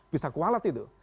bisa kualat itu